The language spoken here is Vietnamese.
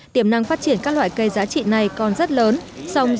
tiềm năng phát triển các loại cây giá trị này còn rất lớn